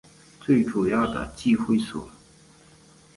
最主要的集会所